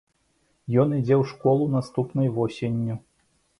Ён ідзе ў школу наступнай восенню.